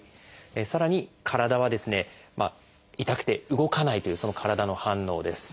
さらに「身体」はですね「痛くて動かない」というその体の反応です。